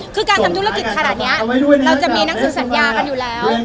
คือการทำธุรกิจขนาดนี้เราจะมีหนังสือสัญญากันอยู่แล้ว